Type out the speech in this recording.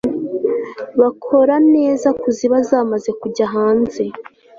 bakora neza kuziba zamaze kujya hanze